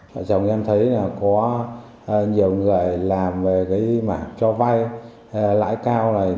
vợ chồng em thấy có nhiều người làm về cái mà cho vay lãi cao này